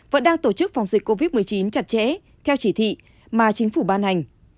vẫn đang tổ chức phòng dịch covid một mươi chín chặt chẽ theo chỉ thị mà chính phủ ban hành